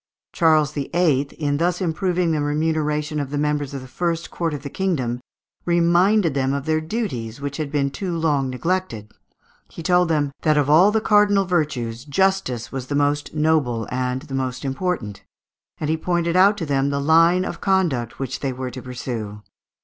Charles VIII., in thus improving the remuneration of the members of the first court of the kingdom, reminded them of their duties, which had been too long neglected; he told them "that of all the cardinal virtues justice was the most noble and most important;" and he pointed out to them the line of conduct they were to pursue.